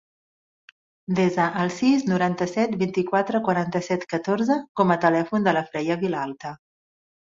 Desa el sis, noranta-set, vint-i-quatre, quaranta-set, catorze com a telèfon de la Freya Vilalta.